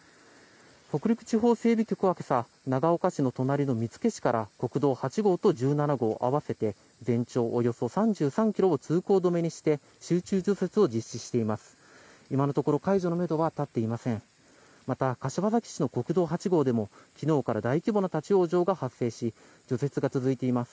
北陸地方整備局は今朝長岡市の隣の見附市から国道８号と１７号合わせて全長およそ３３ｋｍを通行止めにして集中除雪を実施しています。